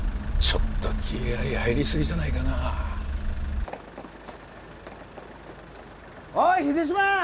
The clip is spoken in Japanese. ちょっと気合い入りすぎじゃないかなおい秀島！